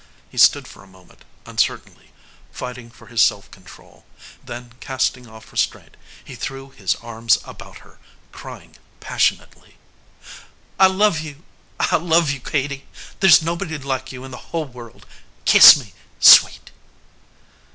He stood for a moment uncertainly, fighting for his self control, then, casting off restraint, he threw his arms about her, crying passionately: "I love you! I love you, Katie! There's nobody like you in the whole world. Kiss me Sweet!"